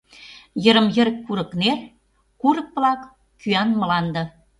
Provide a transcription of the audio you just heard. Йырым-йыр курыкнер, курык-влак, кӱан мланде...